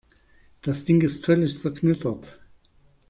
Das Ding ist völlig zerknittert.